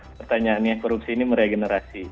pertanyaannya korupsi ini meregenerasi